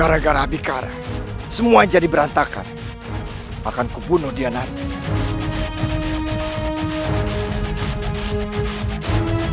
karena gara gara abikara semua yang jadi berantakan akan kubunuh dia nanti